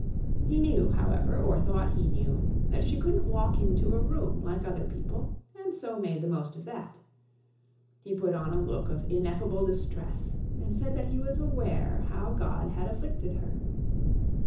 He knew, however, or thought he knew, that she couldn't walk into a room like other people, and so made the most of that. He put on a look of ineffable distress, and said that he was aware how God had afflicted her.